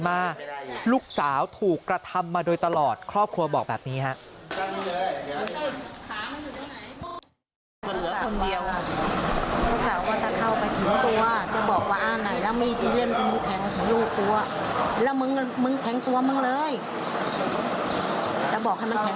มาลูกสาวถูกกระทำมาโดยตลอดครอบครัวบอกแบบนี้ฮะ